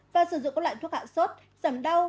và sử dụng các loại thuốc hạ sốt giảm đau